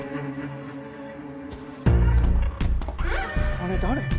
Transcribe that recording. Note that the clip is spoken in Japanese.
あれ誰？